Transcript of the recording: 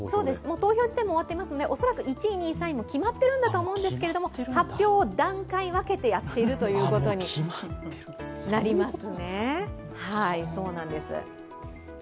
投票自体は終わっているので、１２、３位は決まっているんですが、発表を段階分けてやっているということになりますね。